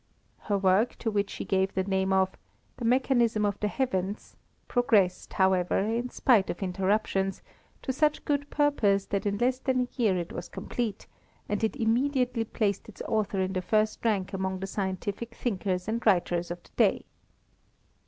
Her work, to which she gave the name of The Mechanism of the Heavens, progressed, however, in spite of interruptions, to such good purpose that in less than a year it was complete, and it immediately placed its author in the first rank among the scientific thinkers and writers of the day.